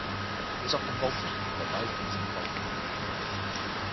It is often vaulted and lit by openings in the vault.